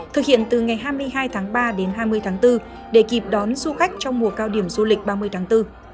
thực hiện từ ngày hai mươi hai tháng ba đến hai mươi tháng bốn để kịp đón du khách trong mùa cao điểm du lịch ba mươi tháng bốn